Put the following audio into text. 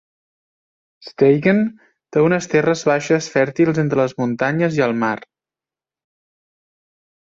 Steigen té unes terres baixes fèrtils entre les muntanyes i el mar.